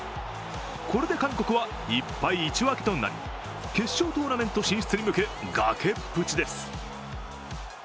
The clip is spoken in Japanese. これで韓国は１敗１分けとなり決勝トーナメント進出に向け崖っぷちです。